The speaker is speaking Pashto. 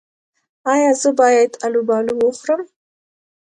ایا زه باید الوبالو وخورم؟